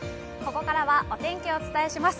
ここからはお天気をお伝えします。